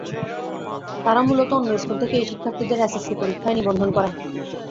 তারা মূলত অন্য স্কুল থেকে এই শিক্ষার্থীদের এসএসসি পরীক্ষায় নিবন্ধন করায়।